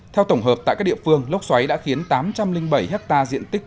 theo tổng hợp tại các địa phương lốc xoáy đã khiến tám trăm linh bảy hectare diện tích